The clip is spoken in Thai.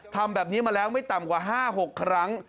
ทำแบบนี้มาแล้วไม่ต่ำกว่า๕๖ครั้ง